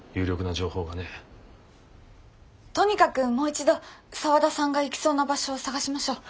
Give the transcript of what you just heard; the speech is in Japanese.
とにかくもう一度沢田さんが行きそうな場所を捜しましょう。